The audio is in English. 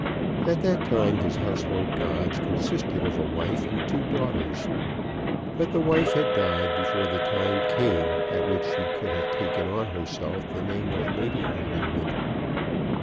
At that time his household gods consisted of a wife and two daughters; but the wife had died before the time came at which she could have taken on herself the name of Lady Underwood.